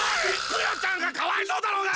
クヨちゃんがかわいそうだろうが！